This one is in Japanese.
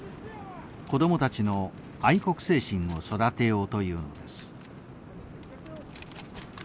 子供たちの愛国精神を育てようというのです。